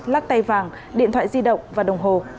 lắc tay vàng điện thoại di động và đồng hồ